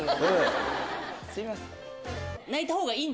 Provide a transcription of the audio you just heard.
すいません。